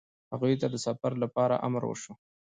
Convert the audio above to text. هغوی ته د سفر لپاره امر وشو.